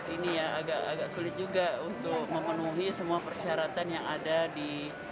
ini ya agak sulit juga untuk memenuhi semua persyaratan yang ada di